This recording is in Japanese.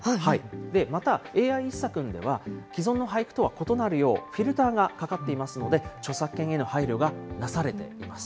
また、ＡＩ一茶くんでは既存の俳句とは異なるようフィルターがかかっていますので、著作権への配慮がなされています。